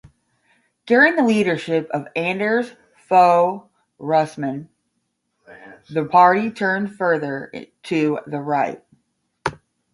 During the leadership of Anders Fogh Rasmussen, the party turned further to the right.